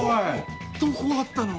どこあったの？